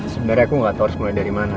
sebenernya aku gak tahu harus mulai dari mana